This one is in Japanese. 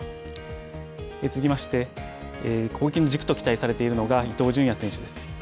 続きまして、攻撃の軸と期待されているのが、伊東純也選手です。